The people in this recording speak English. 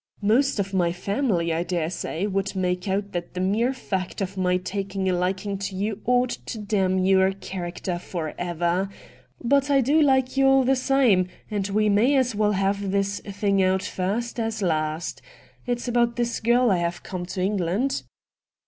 Most of my family, I dare say, would make out that the mere fact of my taking a liking to you ought to damn your character for ever. Bat I do like you all the same — and we may as well have this thing out first as last. It's about this girl I have come to England.'